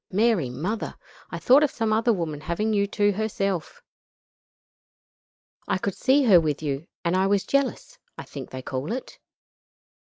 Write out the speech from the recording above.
Mary Mother! I thought of some other woman having you to herself. I could see her with you, and I was jealous I think they call it.